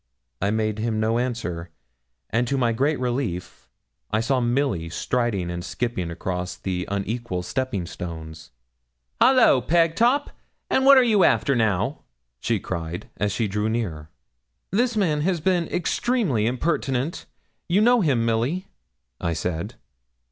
I made him no answer, and to my great relief I saw Milly striding and skipping across the unequal stepping stones. 'Hallo, Pegtop! what are you after now?' she cried, as she drew near. 'This man has been extremely impertinent. You know him, Milly?' I said.